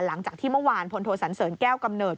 หลังจากที่เมื่อวานพลโทสันเสริญแก้วกำเนิด